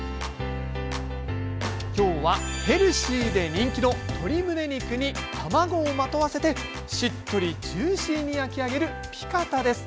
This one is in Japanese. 今日はヘルシーで人気の鶏むね肉に卵をまとわせてしっとりジューシーに焼き上げるピカタです。